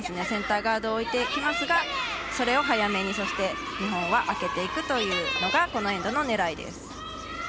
センターガードを置いてきますがそれを早めに、そして日本は空けていくというのがこのエンドのねらいです。